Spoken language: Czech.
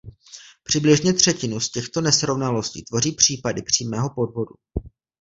Přibližně třetinu z těchto nesrovnalostí tvoří případy přímého podvodu.